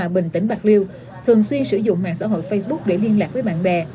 bình tỉnh bạc liêu thường xuyên sử dụng mạng xã hội facebook để liên lạc với bạn bè